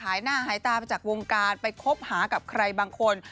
หน้าหายตาไปจากวงการไปคบหากับใครบางคน